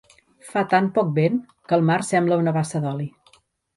Fa tan poc vent que el mar sembla una bassa d'oli.